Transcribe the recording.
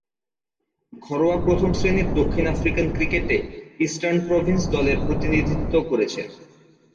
ঘরোয়া প্রথম-শ্রেণীর দক্ষিণ আফ্রিকান ক্রিকেটে ইস্টার্ন প্রভিন্স দলের প্রতিনিধিত্ব করছেন।